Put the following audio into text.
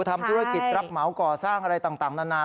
ทำธุรกิจรับเหมาก่อสร้างอะไรต่างนาน